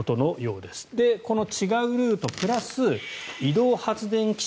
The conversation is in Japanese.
で、この違うルートプラス移動発電機車